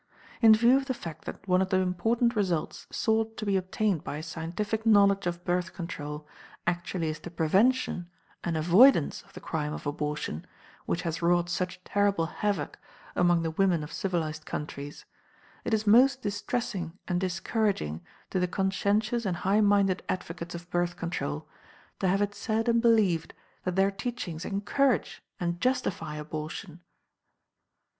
In view of the fact that one of the important results sought to be obtained by a scientific knowledge of Birth Control actually is the prevention and avoidance of the crime of abortion which has wrought such terrible havoc among the women of civilized countries, it is most distressing and discouraging to the conscientious and high minded advocates of Birth Control to have it said and believed that their teachings encourage and justify abortion.